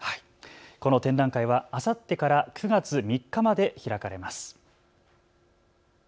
この展覧会はあさってから９月３日まで開かれます。